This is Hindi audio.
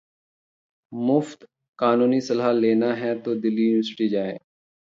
मुफ्त कानूनी सलाह लेनी है तो दिल्ली यूनिवर्सिटी जाएं